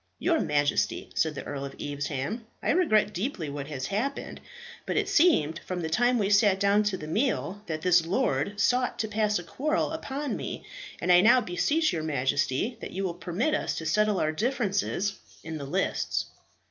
"Your Majesty," said the Earl of Evesham, "I regret deeply what has happened. But it seemed, from the time we sat down to the meal, that this lord sought to pass a quarrel upon me, and I now beseech your Majesty that you will permit us to settle our differences in the lists."